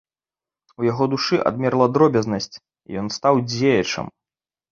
У яго душы адмерла дробязнасць, і ён стаў дзеячам.